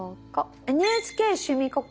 「ＮＨＫ趣味ココ」。